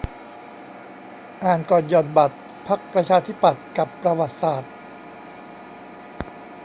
อ่านก่อนหย่อนบัตร พรรคประชาธิปัตย์ กับประวัติศาสตร์